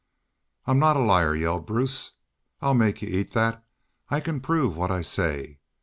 "'I'm not a liar,' yelled Bruce. 'I'll make y'u eat thet. I can prove what I say....